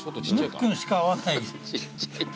ぬっくんしか合わない。